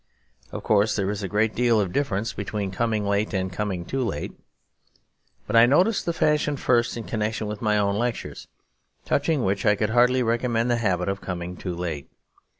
Of course there is a great deal of difference between coming late and coming too late. But I noticed the fashion first in connection with my own lectures; touching which I could heartily recommend the habit of coming too late.